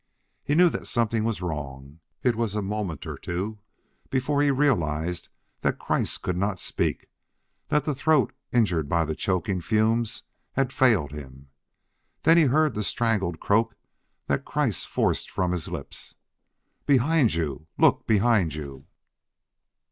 He knew that something was wrong. It was a moment or two before he realized that Kreiss could not speak, that the throat, injured by the choking fumes, had failed him. Then he heard the strangled croak that Kreiss forced from his lips: "_Behind you! look behind you!